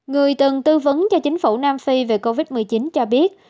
người từng tư vấn cho chính phủ nam phi về covid một mươi chín cho biết